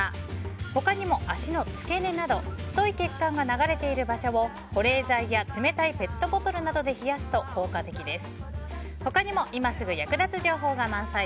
他にも、足の付け根など太い血管が流れている場所を保冷剤や冷たいペットボトルなどで冷やすと効果的です。